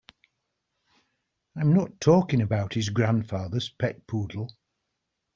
I'm not talking about his grandfather's pet poodle.